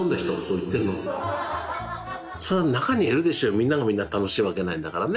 みんながみんな楽しいわけないんだからね。